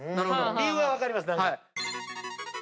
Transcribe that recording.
理由は分かります。